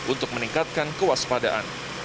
untuk meningkatkan kewaspadaan